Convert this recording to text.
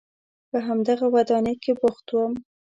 په همدغه ودانۍ کې بوخت وم.